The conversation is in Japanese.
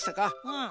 うん。